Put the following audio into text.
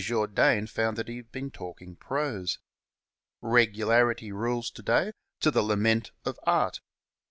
Jourdain found that he had been talking prose. Regularity rules to day, to the lament of art.